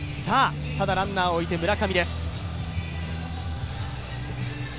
ただ、ランナーを置いて村上です。